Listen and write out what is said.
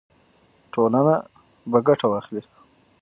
ټولنه به ګټه واخلي.